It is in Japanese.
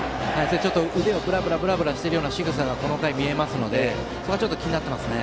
腕をブラブラしているようなしぐさがこの回、見られますのでちょっと気になっていますね。